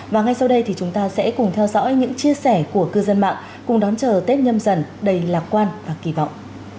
và ngay sau đây thì chúng ta sẽ cùng theo dõi những chia sẻ của cư dân mạng cùng đón chờ tết nhâm dần đầy lạc quan và kỳ vọng